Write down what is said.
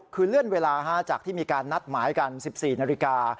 คือเลื่อนเวลาจากที่มีการนัดหมายกัน๑๔นาฬิกา